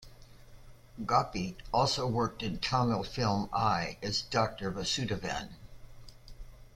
Gopi also worked in Tamil film "I" as Doctor Vasudevan.